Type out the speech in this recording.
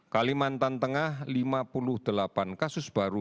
kalimantan tengah lima puluh delapan kasus baru